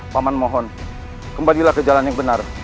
paman mohon kembalilah ke jalan yang benar